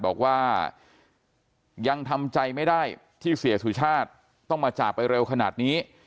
บอกว่ายังทำใจไม่ได้ที่เสียสุชาติต้องมาจากไปเร็วขนาดนี้